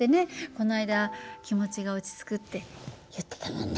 この間気持ちが落ち着くって言ってたもんね。